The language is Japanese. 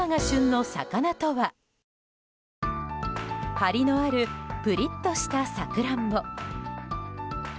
張りのあるプリッとしたサクランボ。